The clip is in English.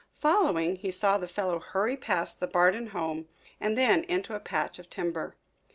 Following, he saw the fellow hurry past the Bardon home and then into a patch of timber.